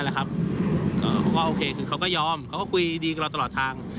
เขาก็โอเคคือเขาก็ยอมเขาก็คุยดีกับเราตลอดทาง